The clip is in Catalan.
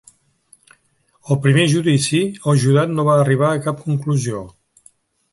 Al primer judici, el jurat no va arribar a cap conclusió.